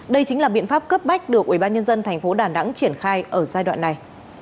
đây chính là biện pháp cấp bách được ubnd tp đà nẵng triển khai ở giai đoạn này